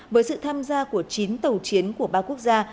với sự tham gia của chín tàu chiến của ba quốc gia